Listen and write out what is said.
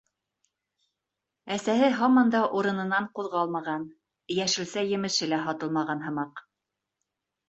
Әсәһе һаман да урынынан ҡуҙғалмаған, йәшелсә-емеше лә һатылмаған һымаҡ.